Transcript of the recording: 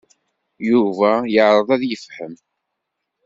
Yuba yeɛreḍ ad yefhem.